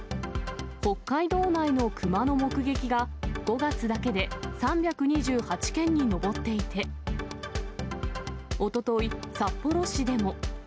北海道内のクマの目撃が、５月だけで３２８件に上っていて、おととい、札幌市でも。